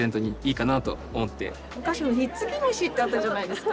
昔ひっつき虫ってあったじゃないですか。